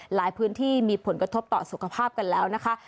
หลายพื้นที่มีผลกระทบต่อสุขภาพกันแล้วนะคะ